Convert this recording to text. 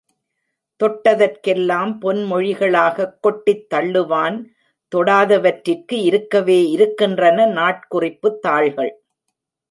தொட்டதற்கெல்லாம் பொன்மொழிகளாகக் கொட்டித் தள்ளுவான் தொடாதவற்றிற்கு இருக்கவே இருக்கின்றன, நாட்குறிப்புத் தாள்கள்.